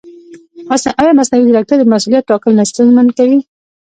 ایا مصنوعي ځیرکتیا د مسؤلیت ټاکل نه ستونزمن کوي؟